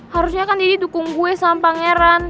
harusnya kan ini dukung gue sama pangeran